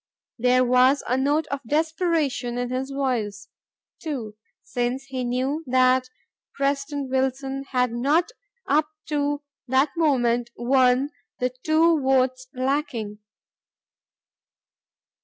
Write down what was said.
There was a note of desperation in his voice, too, since he knew that President Wilson had not up to that moment won the two votes lacking.